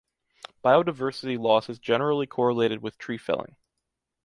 Biodiversity loss is generally correlated with tree felling.